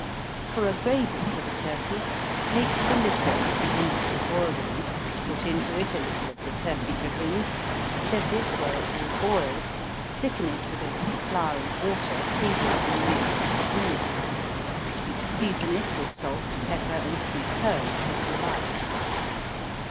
For a gravy to the turkey, take the liquor that the inwards are boiled in, put into it a little of the turkey drippings, set it where it will boil, thicken it with a little flour and water, previously mixed smooth. Season it with salt, pepper, and sweet herbs if you like.